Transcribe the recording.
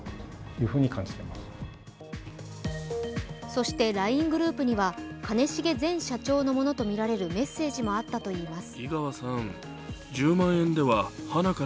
そしてＬＩＮＥグループには兼重前社長のものとみられるメッセージもあったといいます。